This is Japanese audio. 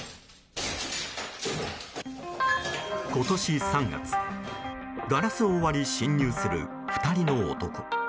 今年３月、ガラスを割り侵入する２人の男。